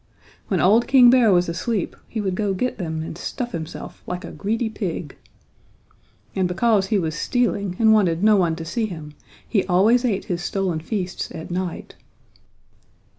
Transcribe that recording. When old King Bear was asleep he would go get them and stuff himself like a greedy pig. And because he was stealing and wanted no one to see him he always ate his stolen feasts at night.